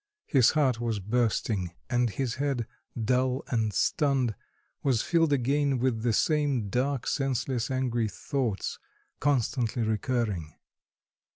His heart was bursting and his head, dull and stunned, was filled again with the same dark senseless angry thoughts, constantly recurring.